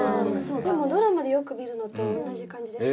でもドラマでよく見るのと同じ感じでした。